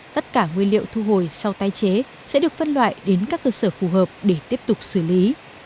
tất cả nguyên liệu thu hồi sau tái chế sẽ được phân loại đến các cơ sở phù hợp để tiếp tục xử lý